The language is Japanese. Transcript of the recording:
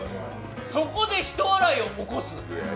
そこでひと笑いを起こす。